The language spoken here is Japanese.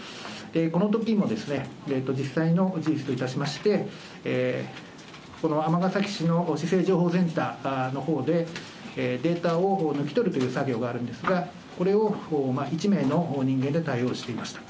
このときも実際の事実といたしまして、この尼崎市の市政情報センターのほうでデータを抜き取るという作業があるんですが、これを１名の人間で対応していました。